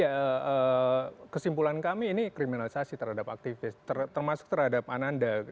ya kesimpulan kami ini kriminalisasi terhadap aktivis termasuk terhadap ananda